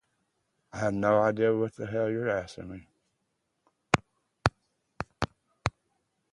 It was there that Takamoto received basic illustration training from two co-internees.